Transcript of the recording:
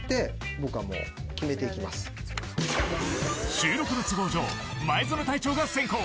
収録の都合上前園隊長が先攻。